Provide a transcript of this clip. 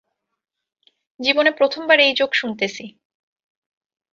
জীবনে প্রথমবার এই জোক শুনতেছি।